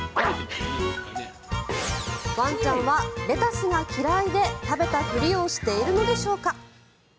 ワンちゃんはレタスが嫌いで食べたふりをしているのでしょうか。